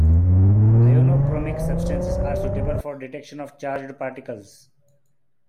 Ionochromic substances are suitable for detection of charged particles.